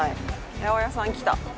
八百屋さん、来た。